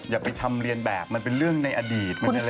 อย่าไปทำเรียนแบบมันเป็นเรื่องในอดีต